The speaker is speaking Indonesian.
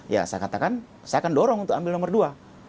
ya saya katakan saya akan dorong untuk ambil nomor dua